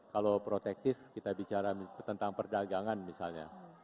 kalau protektif kita bicara tentang perdagangan misalnya